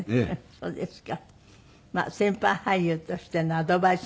そうですね。